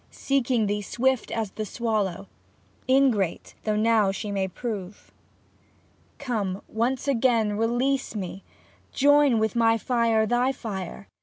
Seeking thee swift as the swallow, Ingrate though now she may prove." Come, once again to release me, Join with my fire thy fire.